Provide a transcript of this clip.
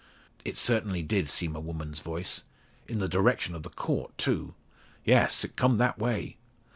"It certainly did seem a woman's voice. In the direction of the Court, too!" "Yes; it comed that way."